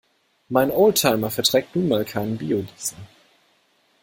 Mein Oldtimer verträgt nun mal kein Biodiesel.